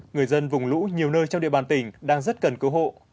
người dân vùng lũ nhiều nơi trong địa bàn tỉnh đang rất cần cứu hộ